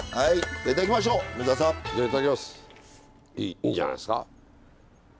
いいんじゃないですか。